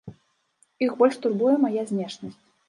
Іх больш турбуе мая знешнасць.